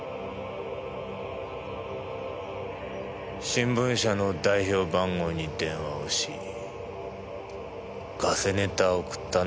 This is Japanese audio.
新聞社の代表番号に電話をしガセネタを送ったのもあんただ。